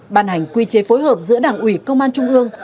ban hành quy chế phối hợp giữa đảng ủy công an trung ương